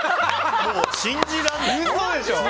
もう、信じられない。